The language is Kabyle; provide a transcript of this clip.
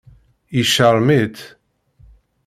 Yecṛem-itt.